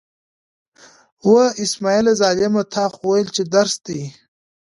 وه! اسمعیله ظالمه، تا خو ویل چې درس دی.